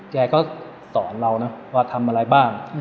แกก็สอนเรานะว่าทำอะไรบ้าง